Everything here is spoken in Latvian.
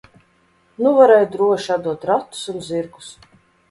Nu varēja droši atdot ratus un zirgus.